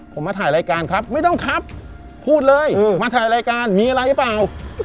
ผมมาถ่ายรายการครับไม่ต้องครับพูดเลยมาถ่ายรายการมีอะไรหรือเปล่า